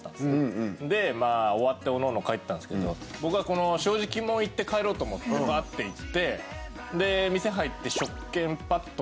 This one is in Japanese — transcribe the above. で終わっておのおの帰ったんですけど僕はこの正直もん行って帰ろうと思ってバッて行って。